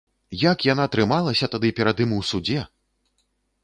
Як яна трымалася тады перад ім у судзе!